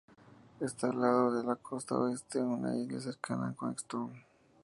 Está al lado de la costa oeste de la isla, cerca de Queenstown.